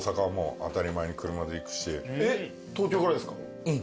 えっ東京からですか？